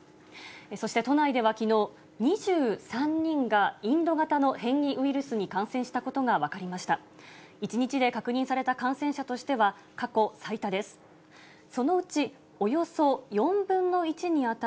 そして都内ではきのう、２３人がインド型の変異ウイルスに感染したことが分かりました。